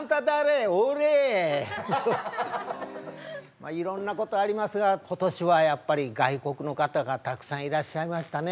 まあいろんなことありますが今年はやっぱり外国の方がたくさんいらっしゃいましたね。